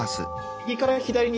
右から左に。